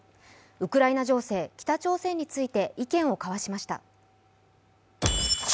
ウクライナ情勢、北朝鮮について意見を交わしました。